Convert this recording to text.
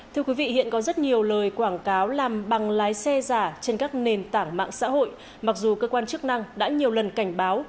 thưa quý vị hiện có rất nhiều lời quảng cáo làm bằng lái xe giả trên các nền tảng mạng xã hội mặc dù cơ quan chức năng đã nhiều lần cảnh báo